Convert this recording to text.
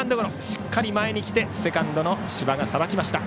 しっかり前に来てセカンドの柴がさばきました。